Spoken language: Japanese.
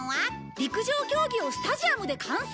陸上競技をスタジアムで観戦！？